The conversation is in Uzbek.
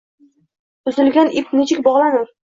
Uzilgan ip nechuk bog’lanur?